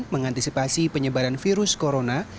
mengantisipasi penyebaran virus corona